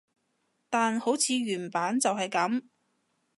但好似原版就係噉